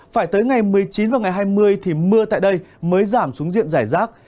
phải tới ngày một mươi chín và ngày hai mươi thì mưa tại đây mới giảm xuống diện giải rác